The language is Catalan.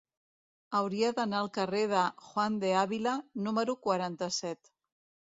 Hauria d'anar al carrer de Juan de Ávila número quaranta-set.